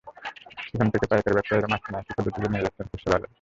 সেখান থেকে পাইকারি ব্যবসায়ীরা মাছ কিনে একই পদ্ধতিতে নিয়ে যাচ্ছেন খুচরা বাজারে।